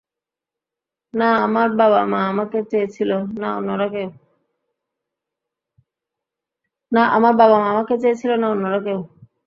না আমার বাবা-মা আমাকে চেয়েছিল, না অন্যরা কেউ।